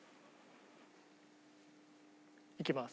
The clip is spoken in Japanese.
いきます。